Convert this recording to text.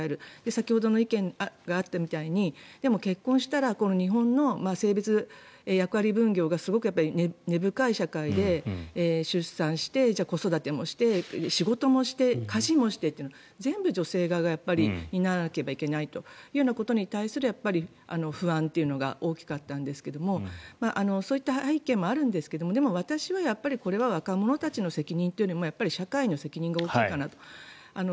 先ほど意見があったみたいにでも、結婚したら日本の性別役割分業がすごく根深い社会で、出産して子育てもして、仕事もして家事もしてというのは全部女性が担わなければいけないということに対する不安というのが大きかったんですけどもそういった背景もあるんですがでも私は、これは若者たちの責任というよりも社会の責任が大きいかなと。